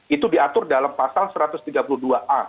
itu diatur dalam pasal satu ratus tiga puluh dua a